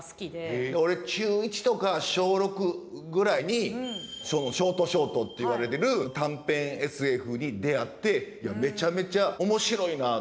へえ俺中１とか小６ぐらいにショートショートっていわれてる短編ＳＦに出会っていやめちゃめちゃ面白いな。